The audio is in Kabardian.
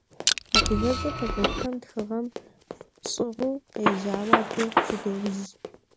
Адыгэбзэ пэжырытхэм тхыгъэм щӏыгъуу къежьауэ, абы зыдеужь.